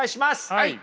はい！